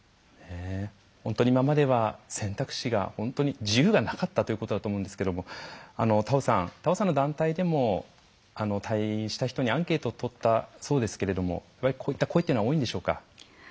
本当に今までは選択肢が本当に自由がなかったということだと思うんですけども田尾さんの団体でも退院した人にアンケートをとったそうですけどもこういった声というのは多いんでしょうか？